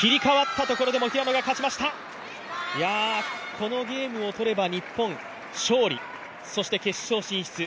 このゲームを取れば日本勝利、そして決勝進出。